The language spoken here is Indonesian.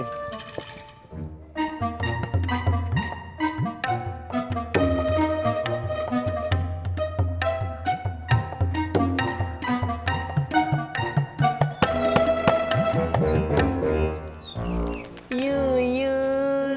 ada orang lagi yang mau